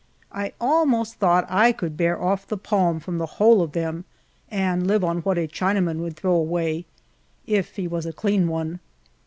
1 almost thought I could bear off the palm from the whole of them, and live on what a China man would throw away — if he was a clean one.